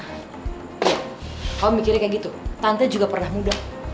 kamu mikirnya kayak gitu tante juga pernah muda